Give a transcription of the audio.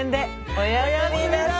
おやすみなさい。